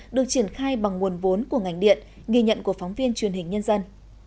được triển khai bằng nguồn vốn của ngành điện ghi nhận của phóng viên truyền hình nhân dân